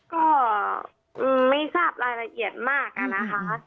ก็ไม่ทราบรายละเอียดมากอะนะคะ